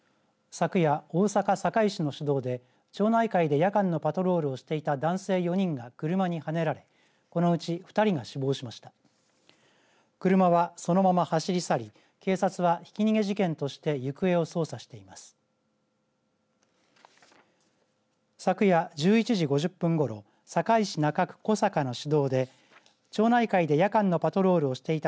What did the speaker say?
昨夜、大阪、堺市の市道で町内会で夜間のパトロールをしていた男性４人が車にはねられこのうち２人が死亡しました。